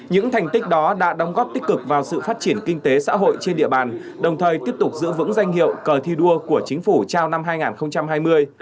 những thành tích đó đã đóng góp tích cực vào sự phát triển kinh tế xã hội trên địa bàn đồng thời tiếp tục giữ vững danh hiệu cờ thi đua của chính phủ trao năm hai nghìn hai mươi